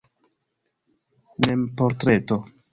Memportreto.